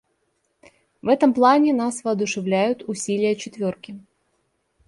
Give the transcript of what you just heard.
В этом плане нас воодушевляют усилия «четверки».